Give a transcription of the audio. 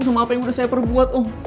sama apa yang udah saya perbuat om